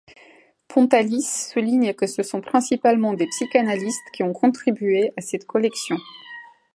Pontalis souligne que ce sont principalement des psychanalystes qui ont contribué à cette collection.